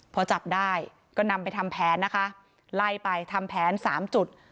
พอจับได้ก็นำไปทำแผนนะคะไล่ไปทำแผนสามจุด